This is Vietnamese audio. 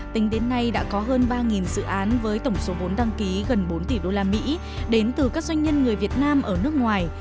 tính đến nay đã có hơn ba dự án với tổng số vốn đăng ký gần bốn tỷ usd đến từ các doanh nhân người việt nam ở nước ngoài